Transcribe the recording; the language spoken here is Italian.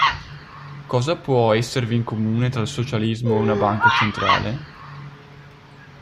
Cosa può esservi in comune tra il socialismo e una banca centrale?